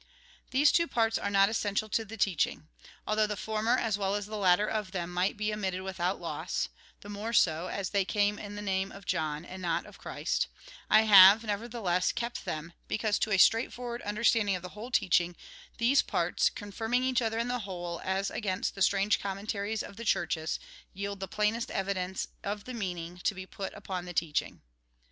These two parts are not essential to the teaching. Although the former, as well as the latter of them, might be omitted without loss (the more so as they come in the name of John, and not of Christ), I have, nevertheless, kept them, because, to a straight forward understanding of the whole teaching, these 4 THE GOSPEL IN BRIEF parts," confirming each other and the whole, as against the strange commentaries of the Churches, yield the plainest evidence of the meaning to be put upon the teaching.